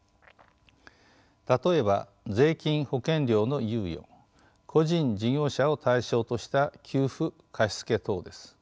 例えば税金・保険料の猶予個人・事業者を対象とした給付・貸し付け等です。